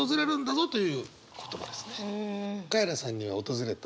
カエラさんには訪れた？